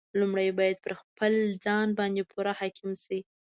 لومړی باید پر خپل ځان باندې پوره حاکم شي.